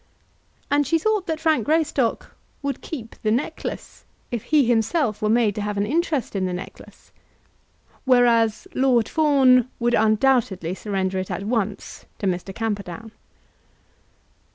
And she thought that Frank Greystock would keep the necklace, if he himself were made to have an interest in the necklace; whereas Lord Fawn would undoubtedly surrender it at once to Mr. Camperdown.